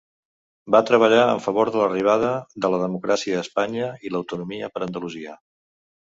Va treballar en favor de l'arribada de la democràcia a Espanya i l'autonomia per Andalusia.